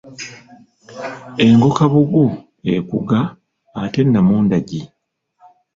Engo kabugu ekuga, ate namundagi?